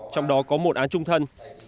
trong đó có một án trung thân